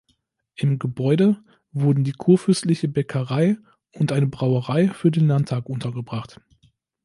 Im Gebäude wurden die kurfürstliche Bäckerei und eine Brauerei für den Landtag untergebracht.